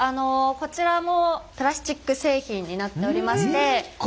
こちらもプラスチック製品になっておりまして。